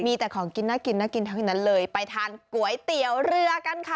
มีแต่ของกินน่ากินน่ากินทั้งนั้นเลยไปทานก๋วยเตี๋ยวเรือกันค่ะ